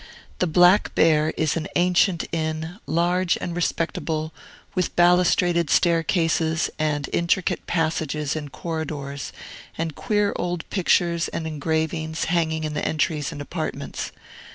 The Black Bear is an ancient inn, large and respectable, with balustraded staircases, and intricate passages and corridors, and queer old pictures and engravings hanging in the entries and apartments.